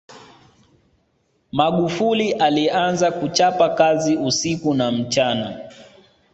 magufuli alianza kuchapa kazi usiku na mchana